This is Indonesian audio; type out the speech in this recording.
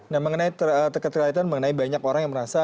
nah mengenai teka teka terlalu terlalu terlalu banyak orang yang merasa